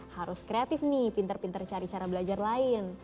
harus kreatif nih pinter pinter cari cara belajar lain